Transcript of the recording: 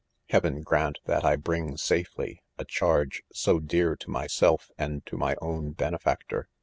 Heaven grant. that I bring ' safely, a charge" so dear to myself arid to my own ben efactor.